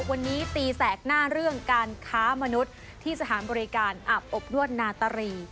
วันนี้ตีแสกหน้าเรื่องการค้ามนุษย์ที่สถานบริการอาบอบนวดนาตารี